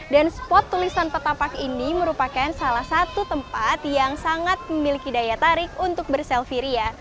dan spot tulisan petapark ini merupakan salah satu tempat yang sangat memiliki daya tarik untuk berselfie